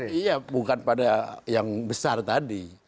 iya bukan pada yang besar tadi